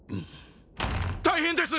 大変です！